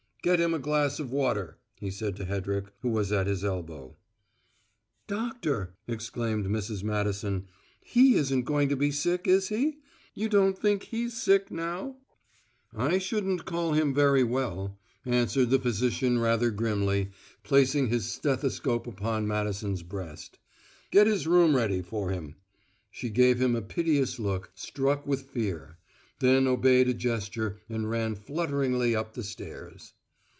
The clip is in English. "Get him a glass of water," he said to Hedrick, who was at his elbow. "Doctor!" exclaimed Mrs. Madison. "He isn't going to be sick, is he? You don't think he's sick now?" "I shouldn't call him very well," answered the physician rather grimly, placing his stethoscope upon Madison's breast. "Get his room ready for him." She gave him a piteous look, struck with fear; then obeyed a gesture and ran flutteringly up the stairs.